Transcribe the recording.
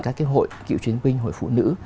các hội cựu chuyến binh hội phụ nữ